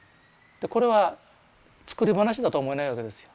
これは作り話だと思えないわけですよ。